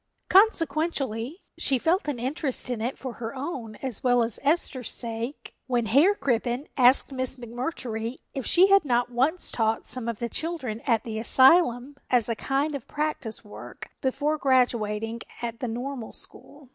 Consequently, she felt an interest in it for her own as well as Esther's sake when Herr Crippen asked Miss McMurtry if she had not once taught some of the children at the asylum as a kind of practice work before graduating at the Normal School.